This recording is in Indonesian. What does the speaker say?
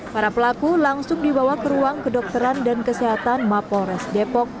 para pelaku langsung dibawa ke ruang kedokteran dan kesehatan mapolres depok